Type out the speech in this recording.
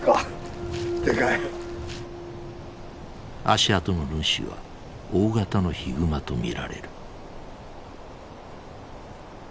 足跡の主は大型のヒグマと見られる。